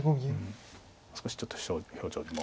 少しちょっと表情にも。